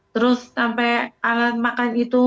terus sampai alat makan itu